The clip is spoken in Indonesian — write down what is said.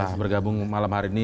sudah bergabung malam hari ini